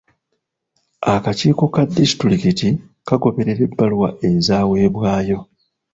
Akakiiko ka disitulikiti kagoberera ebbaluwa ezaweebwayo.